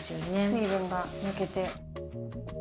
水分が抜けて。